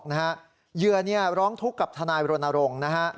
เหยื่อนี่ร้องทุกข์กับทนายบรณรงค์